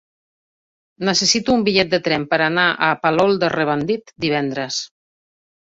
Necessito un bitllet de tren per anar a Palol de Revardit divendres.